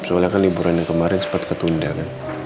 soalnya kan liburan yang kemarin sempat ketunda kan